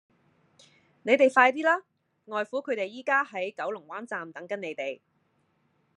你哋快啲啦!外父佢哋而家喺九龍灣站等緊你哋